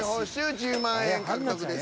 １０万円獲得です。